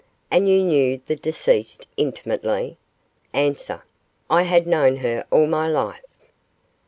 And you knew the deceased intimately? A. I had known her all my life.